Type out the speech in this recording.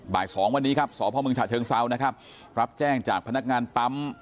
บ่ายสองวันนี้ครับสพมฉะเชิงเซานะครับรับแจ้งจากพนักงานปั๊ม